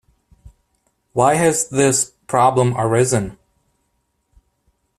Why has this problem arisen?